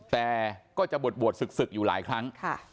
แต่ก็จะบวชศึกอยู่หลายครั้ง